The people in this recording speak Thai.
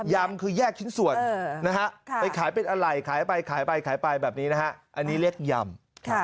ยำคือแยกชิ้นส่วนนะฮะไปขายเป็นอะไรขายไปขายไปขายไปแบบนี้นะฮะอันนี้เรียกยำ